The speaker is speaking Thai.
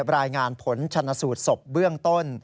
รายงานผลชนสูตรศพเบื้องต้น